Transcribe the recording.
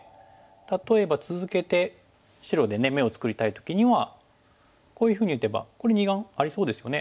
例えば続けて白で眼を作りたい時にはこういうふうに打てばこれ二眼ありそうですよね。